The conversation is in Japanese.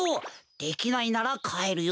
できないならかえるよ。